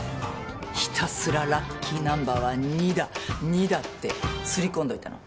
ひたすらラッキーナンバーは２だ２だって刷り込んどいたの。